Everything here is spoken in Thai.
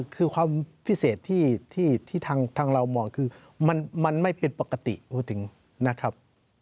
คือความพิเศษที่ทางเรามองคือมันไม่เป็นปกติพูดถึงนะครับ